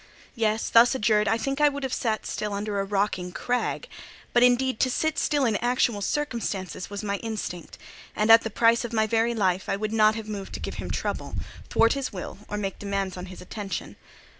Yes, thus adjured, I think I would have sat still under a rocking crag: but, indeed, to sit still in actual circumstances was my instinct; and at the price of my very life, I would not have moved to give him trouble, thwart his will, or make demands on his attention.